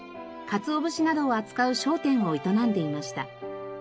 かつお節などを扱う商店を営んでいました。